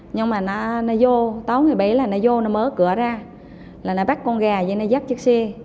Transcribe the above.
nhưng mà nó vô tám người bảy là nó vô nó mở cửa ra là nó bắt con gà vậy nó dắt chiếc xe